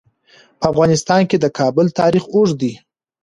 په افغانستان کې د کابل تاریخ اوږد دی.